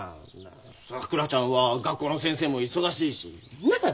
さくらちゃんは学校の先生も忙しいし。なあ？